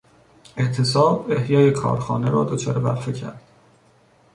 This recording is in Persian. اعتصاب احیای کارخانه را دچار وقفه کرد.